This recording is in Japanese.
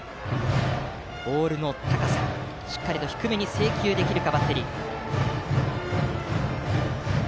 ボールの高さ、しっかり低めに制球できるか。